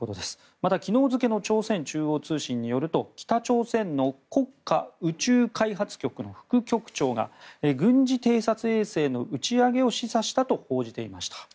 また、昨日付の朝鮮中央通信によりますと北朝鮮の国家宇宙開発局の副局長が軍事偵察衛星の打ち上げを示唆したと報じていました。